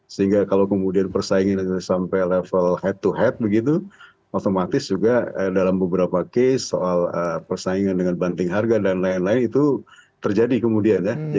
sehingga kalau kemudian persaingan sampai level head to head begitu otomatis juga dalam beberapa case soal persaingan dengan banting harga dan lain lain itu terjadi kemudian ya